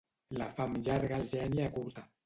La fam llarga el geni acurta.